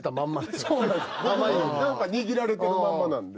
何か握られてるまんまなんで。